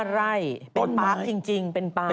๑๕ไร่เป็นปาร์คจริง